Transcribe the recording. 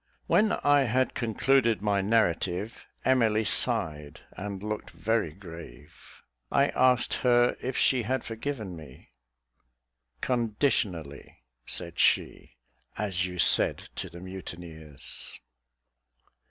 When I had concluded my narrative, Emily sighed and looked very grave. I asked her if she had forgiven me. "Conditionally," said she, "as you said to the mutineers."